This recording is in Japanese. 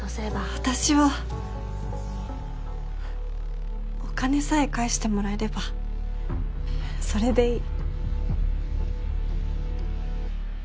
私はお金さえ返してもらえればそれでいい。